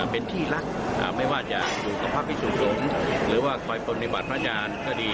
เป็นที่รักไม่ว่าจะอยู่กับพระพิสุสงฆ์หรือว่าคอยปฏิบัติพระอาจารย์ก็ดี